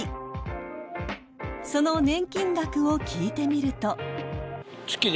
［その年金額を聞いてみると］